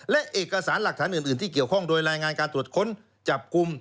และเอกสารหลักฐานอื่นที่เกี่ยวข้องโดยรายงานการตรวจค้นจับกลุ่ม